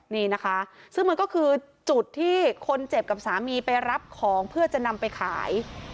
นี่นะคะซึ่งมันก็คือจุดที่คนเจ็บกับสามีไปรับของเพื่อจะนำไปขาย